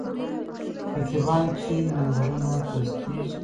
خطیبان چې منبرونو ته خېژي.